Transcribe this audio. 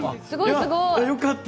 よかった。